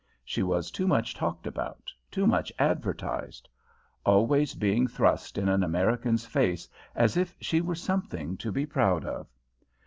She was too much talked about, too much advertised; always being thrust in an American's face as if she were something to be proud of.